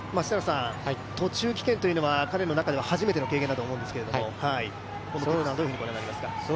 途中棄権というのは彼の中では初めての経験だと思いますけれども、どういうふうにご覧になりますか？